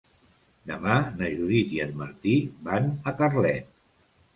Demà na Judit i en Martí van a Carlet.